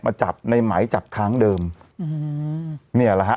มาจับในไหมจับครั้งเดิมเนี่ยเหรอฮะ